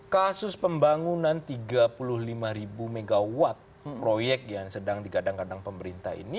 kasus pembangunan tiga puluh lima ribu megawatt proyek yang sedang digadang gadang pemerintah ini